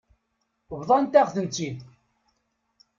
Bḍant-aɣ-tent-id.